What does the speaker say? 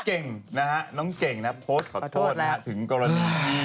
เก่งนะฮะน้องเก่งนะโพสต์ขอโทษนะฮะถึงกรณีที่